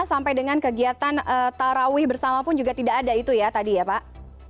sampai dengan kegiatan tarawih bersama pun juga tidak ada itu ya tadi ya pak